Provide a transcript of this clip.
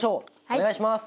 お願いします。